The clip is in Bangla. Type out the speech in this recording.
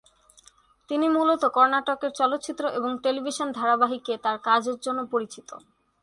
তিনি মূলত কর্ণাটকের চলচ্চিত্র এবং টেলিভিশন ধারাবাহিকে তাঁর কাজের জন্য পরিচিত।